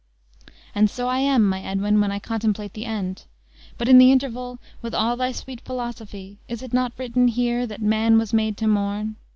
"And so I am, my Edwin, when I contemplate the end. But, in the interval, with all thy sweet philosophy, is it not written here 'that man was made to mourn?'"